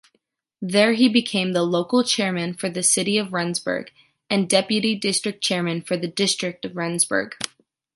There he became the local chairman for the city of Rendsburg and deputy district chairman for the district of Rendsburg.